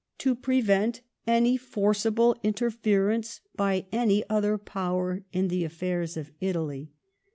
197 to prevent any forcible interferenoe by any other Power in the affairs of Italy.